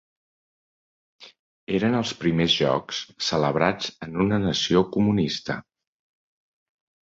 Eren els primers Jocs celebrats en una nació comunista.